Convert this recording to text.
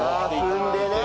踏んでね。